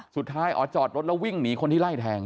สุดท้ายอ๋อจอดรถแล้ววิ่งหนีคนที่ไล่แทง